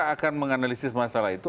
akan menganalisis masalah itu